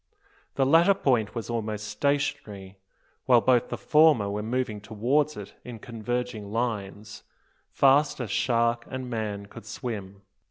The latter point was almost stationary, while both the former were moving towards it in converging lines, fast as shark and man could swim.